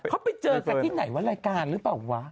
เขาไปเจอกันที่ไหนว่ารายการหรือเปล่าวะ